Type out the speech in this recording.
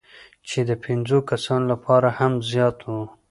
چې د پنځو کسانو لپاره هم زیات وو،